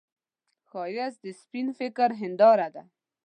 ښایست د سپين فکر هنداره ده